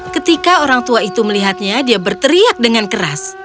ketika orang tua itu melihatnya dia berteriak dengan keras